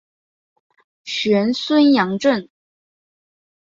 玄孙杨震。